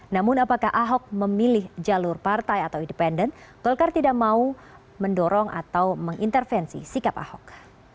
namun apakah ahok memilih jalur partai atau independen golkar tidak mau mendorong atau mengintervensi sikap ahok